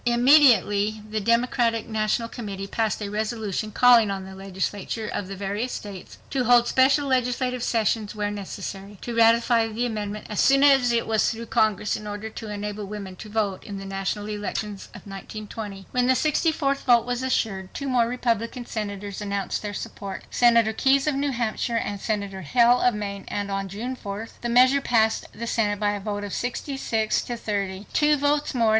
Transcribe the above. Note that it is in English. Immediately the Democratic National Committee passed a resolution calling on the legislatures of the various states to hold special legislative sessions where necessary, to ratify the amendment as soon as it was through Congress, in order to "enable women to vote in the national elections of 1920." When the 64th vote was assured two more Republican Senators announced their support, Senator Keyes of New Hampshire and Senator Hale of Maine, and on June 4th the measure passed the Senate by a vote of 66 to 30,—2 votes more than needed. Of the 49 Republicans in the Senate, 40 voted for the amendment, 9 against.